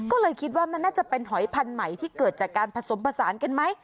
ก็เลยคิดว่ามันน่าจะเป็นหอยพันธุ์ใหม่ที่เกิดจากการผสมผสานกันไหม